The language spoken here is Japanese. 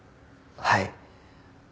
はい。